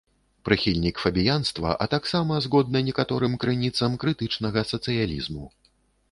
Прыхільнік фабіянства, а таксама, згодна некаторым крыніцам, крытычнага сацыялізму.